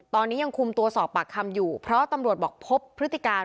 ตอนนี้ยังคุมตัวสอบปากคำอยู่เพราะตำรวจบอกพบพฤติการ